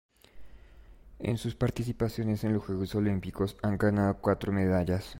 En sus participaciones en los Juegos Olímpicos, han ganado cuatro medallas.